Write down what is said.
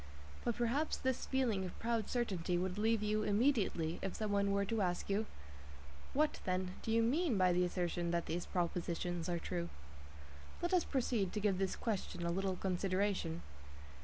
But perhaps this feeling of proud certainty would leave you immediately if some one were to ask you: "What, then, do you mean by the assertion that these propositions are true?" Let us proceed to give this question a little consideration.